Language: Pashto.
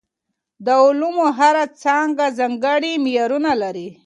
د علومو هره څانګه ځانګړي معیارونه لري.